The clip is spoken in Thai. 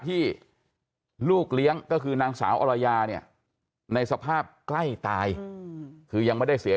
ที่ลูกเลี้ยงก็คือนางสาวอรยาเนี่ยในสภาพใกล้ตายคือยังไม่ได้เสีย